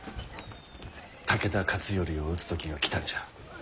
武田勝頼を討つ時が来たんじゃ。